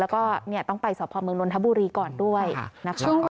แล้วก็ต้องไปสอบภอมเมืองนนทบุรีก่อนด้วยนะคะ